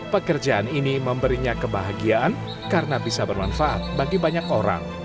pekerjaan ini memberinya kebahagiaan karena bisa bermanfaat bagi banyak orang